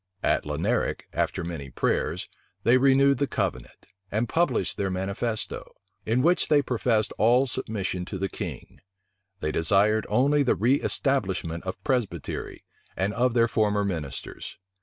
At Laneric, after many prayers, they renewed the covenant, and published their manifesto; in which they professed all submission to the king: they desired only the reëstablishment of Presbytery, and of their former ministers.